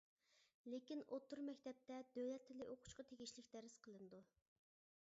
لېكىن ئوتتۇرا مەكتەپتە دۆلەت تىلى ئوقۇشقا تېگىشلىك دەرس قىلىنىدۇ.